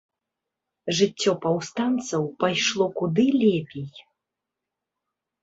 Жыццё паўстанцаў пайшло куды лепей.